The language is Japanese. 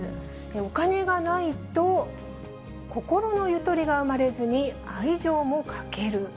お金がないと、心のゆとりが生まれずに、愛情も欠ける。